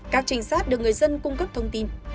các trinh sát được người dân cung cấp thông tin